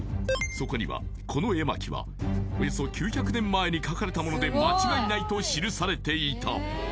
そこにはこの絵巻はおよそ９００年前に描かれたもので間違いないと記されていた！